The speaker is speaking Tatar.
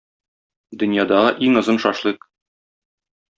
Дөньядагы иң озын шашлык!